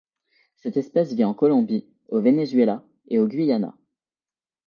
Cette espèce vit en Colombie, au Venezuela et au Guyana.